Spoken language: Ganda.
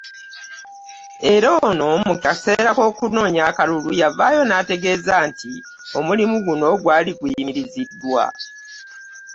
Era ono mu kaseera k'okunoonya akalulu yavaayo n'ategeeza nti omulimu guno gwali guyimiriziddwa